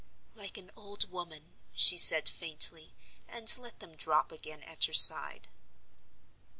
"Like an old woman!" she said, faintly, and let them drop again at her side.